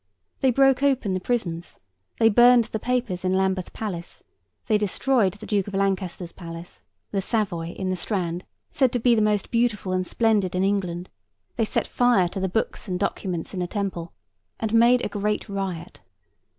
They broke open the prisons; they burned the papers in Lambeth Palace; they destroyed the Duke of Lancaster's Palace, the Savoy, in the Strand, said to be the most beautiful and splendid in England; they set fire to the books and documents in the Temple; and made a great riot.